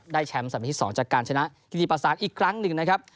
ได้แชมป์สัปดาห์ที่๒จากการชนะกินที่ประสานอีกครั้งหนึ่งนะครับ